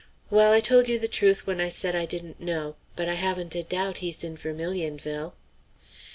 "Well, I told you the truth when I said I didn't know; but I haven't a doubt he's in Vermilionville."